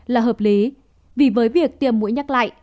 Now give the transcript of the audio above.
là hợp lý vì với việc tiêm mũi nhắc lại